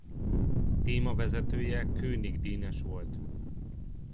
Témavezetője Kőnig Dénes volt.